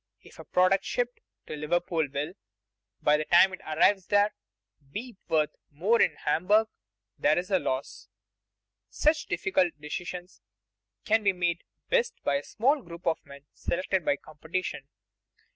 If a product shipped to Liverpool will, by the time it arrives there, be worth more in Hamburg, there is a loss. Such difficult decisions can be made best by a small group of men selected by competition.